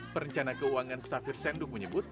perencana keuangan safir senduk menyebut